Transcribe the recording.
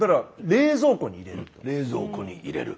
冷蔵庫に入れる。